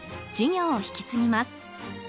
事業を引き継ぎます。